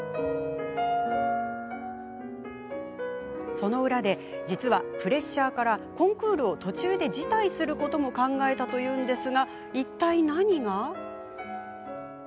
その裏で、実はプレッシャーからコンクールを途中で辞退することも考えたというのですが、いったい何が？